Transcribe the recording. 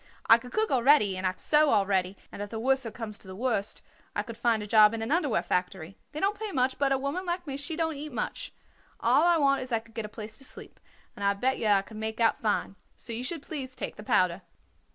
I could cook already and I could sew already, and if the worser comes to the worst I could find a job in an underwear factory. They don't pay much, but a woman like me she don't eat much. All I want is I could get a place to sleep, and I bet yer I could make out fine. So you should please take the powder."